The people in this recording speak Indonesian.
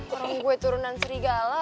orang gue turunan serigala